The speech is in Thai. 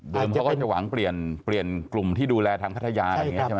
เดิมเขาก็จะหวังเปลี่ยนกลุ่มที่ดูแลทางภัทยา